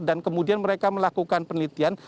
dan kemudian mereka melakukan penelitian